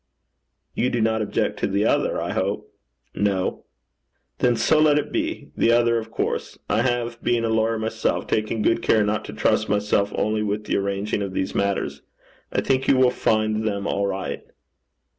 'You do not object to the other, I hope?' 'No.' 'Then so let it be. The other, of course. I have, being a lawyer myself, taken good care not to trust myself only with the arranging of these matters. I think you will find them all right.'